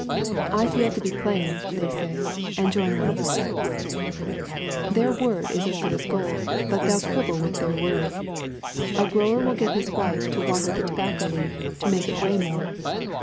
'I feel to be plain,' they say, and join one of these sects. "Their word is as good as gold but they'll quibble with their word. A grower will get his wife to water the tobacco leaf, to make it weigh more.